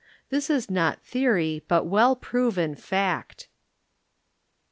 This is not theory, but well proven fact.